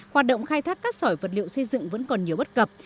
hoạt động khai thác cát sỏi vật liệu xây dựng vẫn còn nhiều bất cập